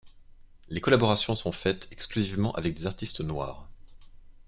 Les collaborations sont faîtes exclusivement avec des artistes noirs.